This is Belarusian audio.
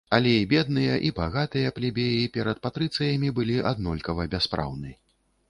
Але і бедныя, і багатыя плебеі перад патрыцыямі былі аднолькава бяспраўны.